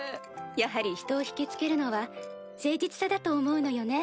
やはりひとを引きつけるのは誠実さだと思うのよね